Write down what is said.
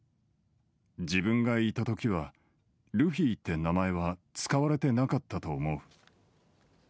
自分がいたときは、ルフィって名前は使われてなかったと思う。